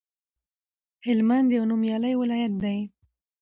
هلمند یو نومیالی ولایت دی